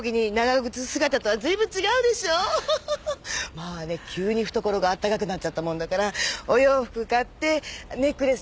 まあね急に懐があったかくなっちゃったもんだからお洋服買ってネックレスとイヤリングも。